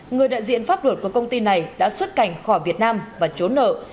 người đại diện pháp luật của công ty này đã xuất cảnh khỏi việt nam và trốn nợ